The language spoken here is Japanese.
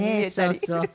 そうそう。